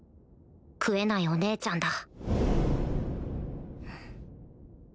食えないお姉ちゃんだ